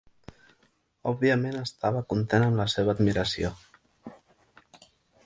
Òbviament estava content amb la seva admiració.